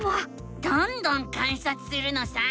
どんどん観察するのさ！